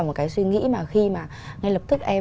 một cái suy nghĩ mà khi mà ngay lập tức em